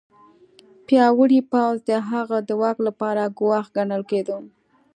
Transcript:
پیاوړی پوځ د هغه د واک لپاره ګواښ ګڼل کېده.